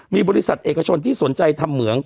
มีบริษัทเอกชนที่สนใจทำเหมือง